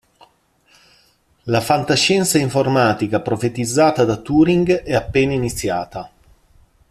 La fantascienza informatica profetizzata da Turing è appena iniziata.